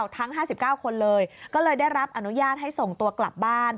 ทั้ง๕๙คนเลยก็เลยได้รับอนุญาตให้ส่งตัวกลับบ้าน